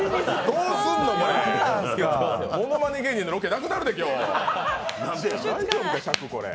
どうすんの、これ！